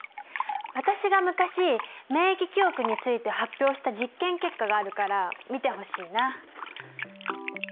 私が昔免疫記憶について発表した実験結果があるから見てほしいな。